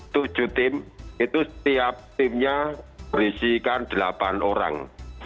tujuh tim itu setiap timnya berisikan delapan orang